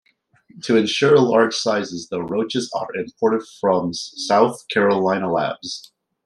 To insure large sizes the roaches are imported from South Carolina labs.